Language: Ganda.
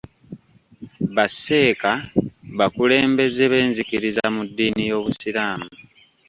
Ba sseeka bakulembeze b'enzikiriza mu dddiini y'obusiraamu.